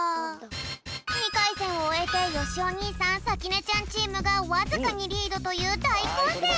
２かいせんをおえてよしお兄さんさきねちゃんチームがわずかにリードというだいこんせん！